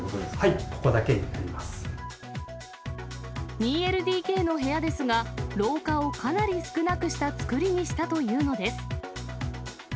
２ＬＤＫの部屋ですが、廊下をかなり少なくした造りにしたというのです。